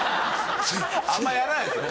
あんまやらないですね。